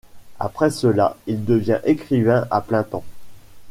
Après cela, il devient écrivain à plein temps.